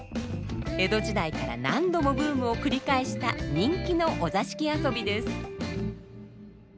江戸時代から何度もブームを繰り返した人気のお座敷遊びです。